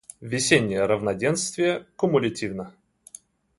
Весеннее равноденствие кумулятивно.